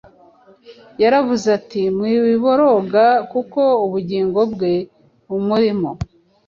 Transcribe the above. Yaravuze ati: “Mwiboroga, kuko ubugingo bwe bumurimo.”